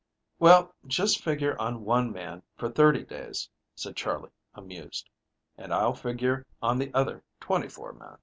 "Well, just figure on one man for thirty days," said Charley, amused, "and I'll figure on the other twenty four men."